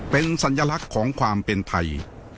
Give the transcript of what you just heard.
เป็นสัญลักษณ์ของความเป็นไทย